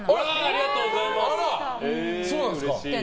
ありがとうございます！